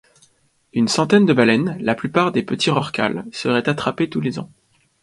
Une centaine de baleines, la plupart des petits rorquals, seraient attrapées tous les ans.